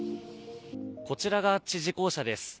こちらが知事公舎です。